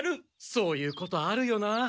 そういうことあるよな。